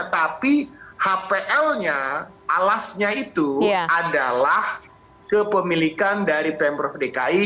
tapi hpl nya alasnya itu adalah kepemilikan dari pemprov dki